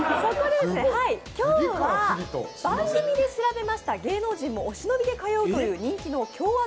今日は番組で調べました、芸能人もお忍びで通うという人気の強圧